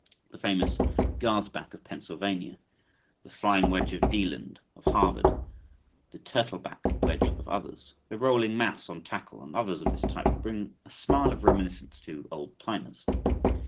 The famous "guards back" of Pennsylvania, the "flying wedge" of Deland of Harvard, the "turtle back" wedge of others, the rolling mass on tackle and others of this type will bring a smile of reminiscence to "old timers."